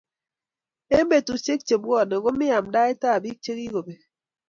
Eng betusiek che bwone komi amndaet ab biik chikikobek